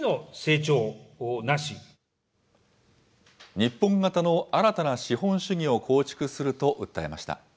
日本型の新たな資本主義を構築すると訴えました。